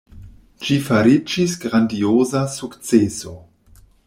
Ĝi fariĝis grandioza sukceso.